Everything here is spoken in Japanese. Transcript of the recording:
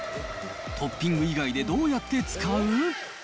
トッピング以外でどうやって使う？